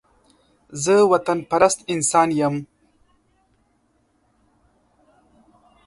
زه وطن پرست انسان يم